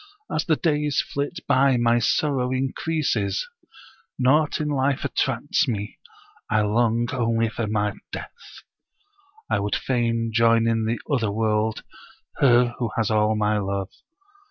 As the days flit by my sorrow increases; naught in life attracts me; I long only for death. I would fain join in the other world her who has all my love.